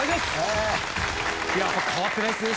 やっぱ変わってないっすね